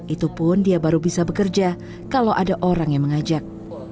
itu pun dia baru bisa bekerja kalau ada orang yang mengajak